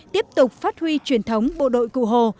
tiếp tục phát huy truyền thống bộ đội cụ hồ